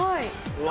うわ。